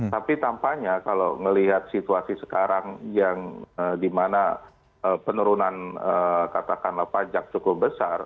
tapi tampaknya kalau melihat situasi sekarang yang dimana penurunan katakanlah pajak cukup besar